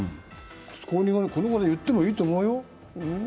このくらい言ってもいいと思うよ。